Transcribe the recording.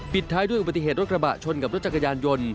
ท้ายด้วยอุบัติเหตุรถกระบะชนกับรถจักรยานยนต์